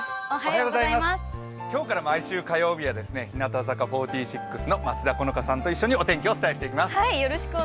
今日から毎週火曜日は日向坂４６の松田好花さんと一緒にお天気をお伝えしていきます。